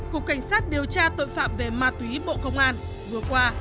cục cảnh sát điều tra tội phạm về ma túy bộ công an vừa qua